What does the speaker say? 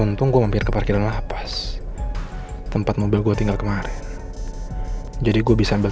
untung gue mampir ke parkiran lapas tempat mobil gue tinggal kemarin jadi gue bisa ambil